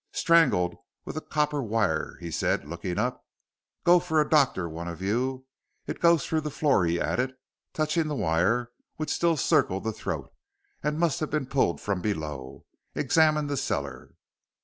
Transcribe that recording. "Strangled with a copper wire," he said, looking up. "Go for a doctor one of you. It goes through the floor," he added, touching the wire which still circled the throat, "and must have been pulled from below. Examine the cellar."